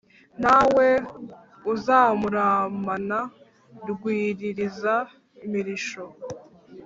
nta we uzamuramana rwiriza-mirisho.